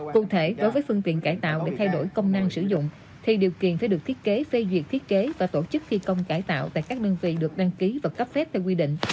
cụ thể đối với phương tiện cải tạo để thay đổi công năng sử dụng thì điều kiện phải được thiết kế phê duyệt thiết kế và tổ chức thi công cải tạo tại các đơn vị được đăng ký và cấp phép theo quy định